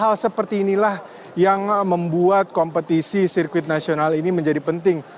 hal seperti inilah yang membuat kompetisi sirkuit nasional ini menjadi penting